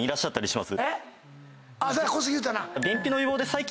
小杉言うてたな。